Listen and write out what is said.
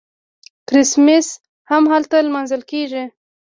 کریسمس هم هلته لمانځل کیږي.